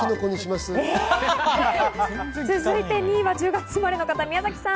続いて２位は１０月生まれの方、宮崎さん。